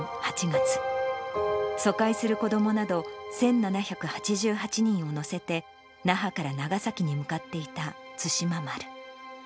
疎開する子どもなど１７８８人を乗せて、那覇から長崎に向かっていた対馬丸。